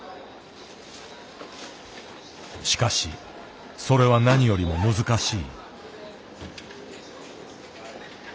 しかしそれは何よりも難しい。